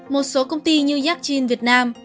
một số công ty như yakchin việt nam